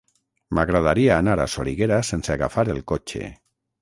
M'agradaria anar a Soriguera sense agafar el cotxe.